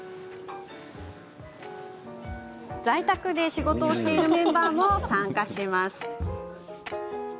在宅で仕事をしているメンバーも参加します。